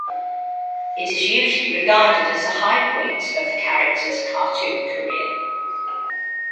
It is usually regarded as a high point of the character's cartoon career.